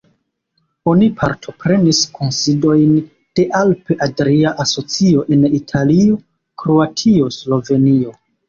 Oni partoprenis kunsidojn de Alp-Adria Asocio en Italio, Kroatio, Slovenio.